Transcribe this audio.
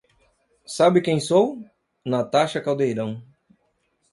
Sabe quem sou? Natasha Caldeirão